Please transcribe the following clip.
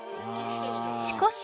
しかし。